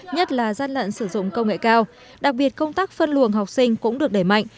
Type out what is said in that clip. nhất là gian lận sử dụng công nghệ cao đặc biệt công tác phân luồng học sinh cũng được đẩy mạnh